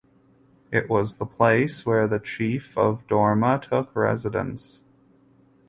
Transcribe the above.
It was the place where the chief of Dormaa took residence.